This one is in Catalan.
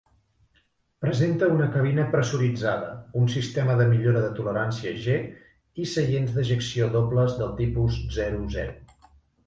Presenta una cabina pressuritzada, un sistema de millora de tolerància G i seients d'ejecció dobles del tipus zero-zero.